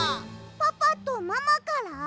パパとママから？